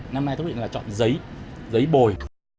năm nay tôi định là chọn giấy giấy bồi